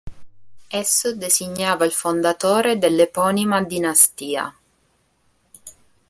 Esso designava il fondatore dell'eponima dinastia.